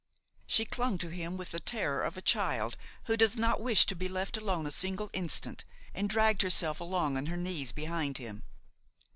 She clung to him with the terror of a child who does not wish to be left alone a single instant, and dragged herself along on her knees behind him.